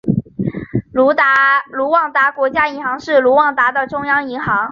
卢旺达国家银行是卢旺达的中央银行。